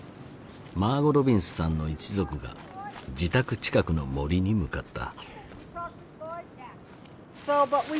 マーゴ・ロビンズさんの一族が自宅近くの森に向かった。